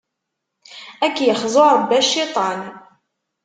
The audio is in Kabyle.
Ad k-yexzu Rebbi a cciṭan!